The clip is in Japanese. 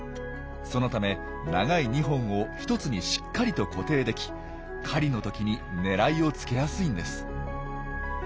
そのため長い２本を１つにしっかりと固定でき狩りの時に狙いをつけやすいんです。